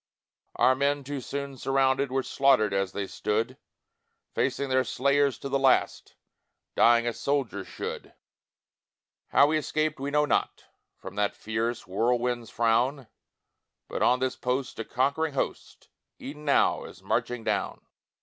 "Our men, too soon surrounded, Were slaughtered as they stood, Facing their slayers to the last, Dying as soldiers should. How we escaped we know not, From that fierce whirlwind's frown, But on this post a conquering host E'en now is marching down!"